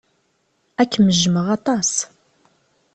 Ad kem-jjmeɣ aṭas.